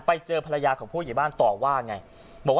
ไปเจอภรรยาของผู้ใหญ่บ้านต่อว่าไง